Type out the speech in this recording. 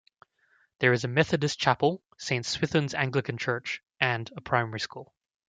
There is a Methodist chapel, Saint Swithun's Anglican church, and a primary school.